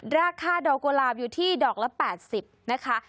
ราคาดอกกุหลาบอยู่ที่ดอกละ๘๐นะคะ